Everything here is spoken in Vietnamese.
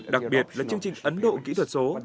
đặc biệt là chương trình ấn độ kỹ thuật số